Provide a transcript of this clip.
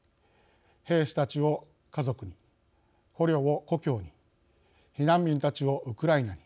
兵士たちを家族に、捕虜を故郷に避難民たちをウクライナに。